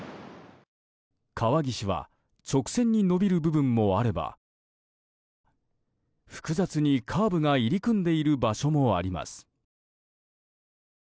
川岸は直線に延びる部分もあれば複雑にカーブが入り組んでいる場所もあります。